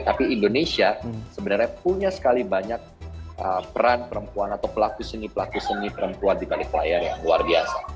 tapi indonesia sebenarnya punya sekali banyak peran perempuan atau pelaku seni pelaku seni perempuan di balik layar yang luar biasa